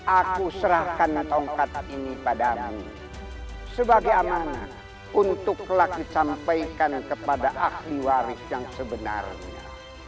aku serahkanlah tongkat ini padamu sebagai amanah untuk laki sampaikan kepada ahli waris yang sebenarnya